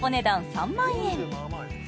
３万円